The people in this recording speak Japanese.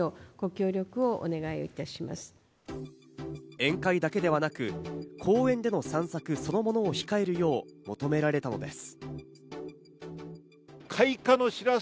宴会だけではなく、公園での散策そのものを控えるよう求められたのです。